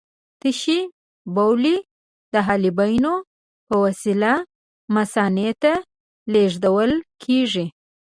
تشې بولې د حالبیونو په وسیله مثانې ته لېږدول کېږي.